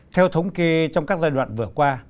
theo thống kê trong các giai đoạn vừa qua